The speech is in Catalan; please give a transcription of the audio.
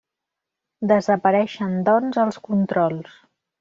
Desapareixen, doncs, els controls.